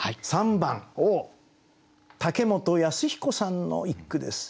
３番武本保彦さんの一句です。